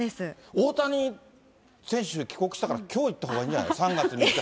大谷選手、帰国したから、きょう行ったほうがいいんじゃない？